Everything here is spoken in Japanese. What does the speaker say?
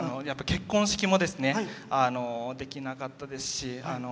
結婚式もできなかったですし